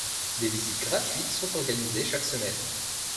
Des visites gratuites sont organisées chaque semaine.